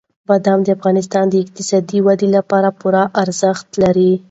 بادام د افغانستان د اقتصادي ودې لپاره پوره ارزښت لري.